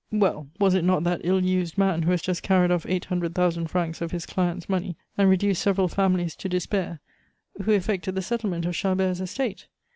"Well, was it not that ill used man who has just carried off eight hundred thousand francs of his clients' money, and reduced several families to despair, who effected the settlement of Chabert's estate?